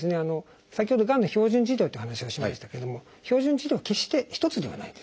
先ほどがんの標準治療という話をしましたけども標準治療は決して一つではないんですね。